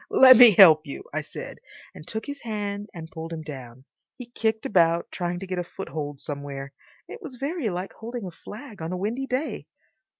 "Let me help you!" I said, and took his hand and pulled him down. He kicked about, trying to get a foothold somewhere. It was very like holding a flag on a windy day.